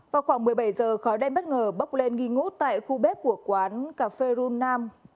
vào khoảng một mươi bảy giờ khói đen bất ngờ bốc lên nghi ngút tại khu bếp của quán cà phê run nam